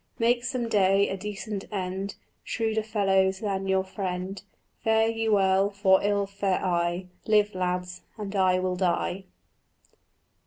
"Make some day a decent end, Shrewder fellows than your friend. Fare you well, for ill fare I: Live, lads, and I will die."